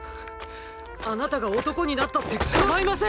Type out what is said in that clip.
あなたが男になったって構いません！！